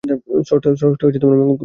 স্রষ্টা তোমার মঙ্গল করুন!